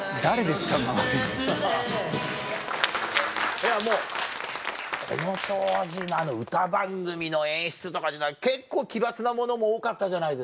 いやもうこの当時の歌番組の演出とかっていうのは結構奇抜なものも多かったじゃないですか。